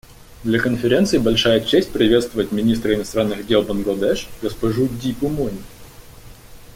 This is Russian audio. Для Конференции большая честь приветствовать министра иностранных дел Бангладеш госпожу Дипу Мони.